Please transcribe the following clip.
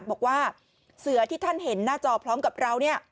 บอกว่าเสือที่ท่านเห็นหน้าจอพร้อมกับเราเนี่ย